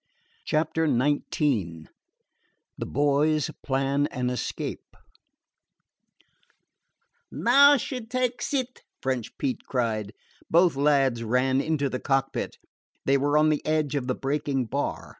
CHAPTER XIX THE BOYS PLAN AN ESCAPE "Now she takes it!" French Pete cried. Both lads ran into the cockpit. They were on the edge of the breaking bar.